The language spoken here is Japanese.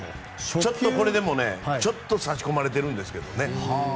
ちょっとこれでも差し込まれているんですけどね。